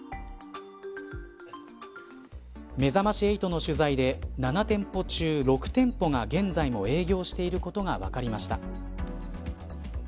めざまし８の取材で７店舗中６店舗が現在も営業していることが分かりました。